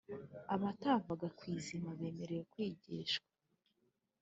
abatavaga ku izima bemere kwigishwa.